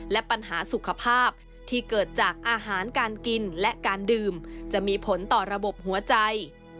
และปัญหาสุขภาพที่เกิดจากอาหารการกินและการดื่มจะมีผลต่อระบบหัวใจ